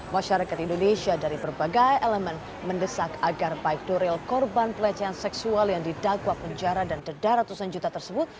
masyarakat indonesia dari berbagai elemen mendesak agar baik nuril korban pelecehan seksual yang didakwa penjara dan denda ratusan juta tersebut